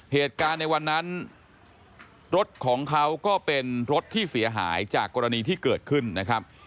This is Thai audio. เหตุการณ์ในวันนั้นรถของเขาก็เป็นรถที่เสียหายจากกรณีที่เกิดขึ้นนะครับ